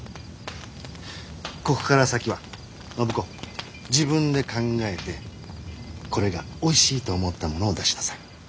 ここから先は暢子自分で考えてこれがおいしいと思ったものを出しなさい。